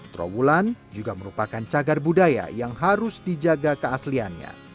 trawulan juga merupakan cagar budaya yang harus dijaga keasliannya